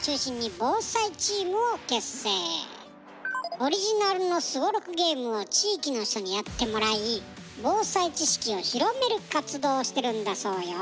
オリジナルのすごろくゲームを地域の人にやってもらい防災知識を広める活動をしてるんだそうよ。